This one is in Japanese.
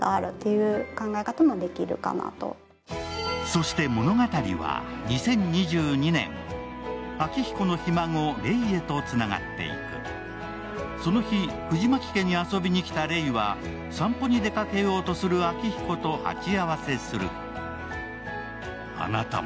そして物語は、２０２２年、昭彦のひ孫・玲へとつながっていくその日、藤巻家に遊びに来た玲は、散歩に出かけようとする昭彦と鉢合わせする。